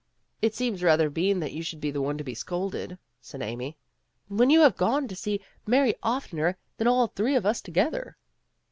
"It seems rather mean that you should be the one to be scolded," said Amy, "when you have gone to see Mary oftener than all the three of us together.'